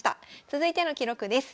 続いての記録です。